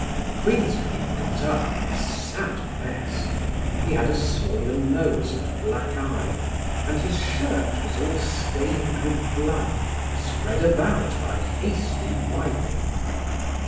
Queensberry got up in a sad mess: he had a swollen nose and black eye and his shirt was all stained with blood spread about by hasty wiping.